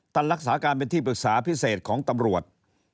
รักษาการเป็นที่ปรึกษาพิเศษของตำรวจ